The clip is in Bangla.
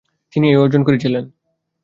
তিনি এই অর্জন করেছিলেন।